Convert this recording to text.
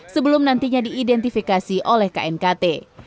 sebelum nantinya diidentifikasi oleh knkt